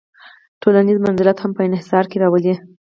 ټولنیز منزلت هم په انحصار کې راولي.